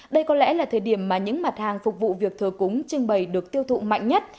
đây có lẽ là thời điểm mà những mặt hàng phục vụ việc thờ cúng trưng bày được tiêu thụ mạnh nhất